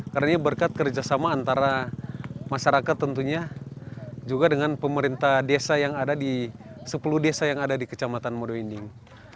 karena ini berkat kerjasama antara masyarakat tentunya juga dengan pemerintah desa yang ada di sepuluh desa yang ada di kecamatan modo inding